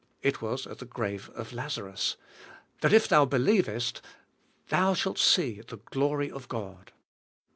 It was at the grave of Laza rus — ''that if thou believest, thou shalt see the glory of God?"